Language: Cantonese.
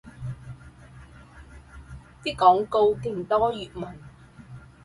啲廣告勁多粵文